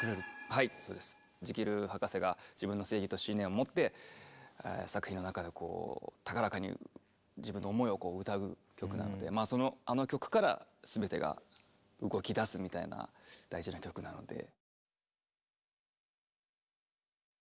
はいそうです。ジキル博士が自分の正義と信念を持って作品の中でこう高らかに自分の思いを歌う曲なのでまあそのあの曲から全てが動きだすみたいな大事な曲なので。